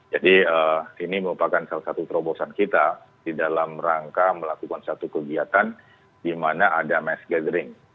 jadi ini merupakan salah satu terobosan kita di dalam rangka melakukan satu kegiatan di mana ada mass gathering